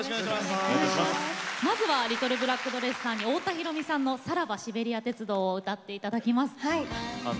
まず、リトルブラックドレスさんには太田裕美さんの「さらばシベリア鉄道」を歌っていただきます。